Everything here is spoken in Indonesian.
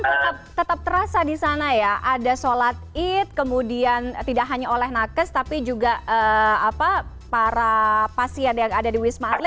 tetap terasa di sana ya ada sholat id kemudian tidak hanya oleh nakes tapi juga para pasien yang ada di wisma atlet